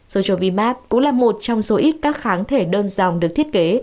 sojovimab cũng là một trong số ít các kháng thể đơn dòng được thiết kế